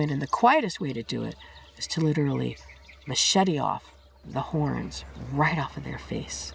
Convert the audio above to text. nạn săn trộm cũng tăng theo